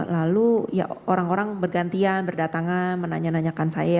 lalu ya orang orang bergantian berdatangan menanya nanyakan saya